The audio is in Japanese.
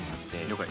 了解。